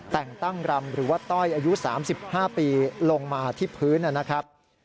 แต่งตั้งรำหรือว่าต้อยอายุ๓๕ปีลงมาที่พื้นนะครับ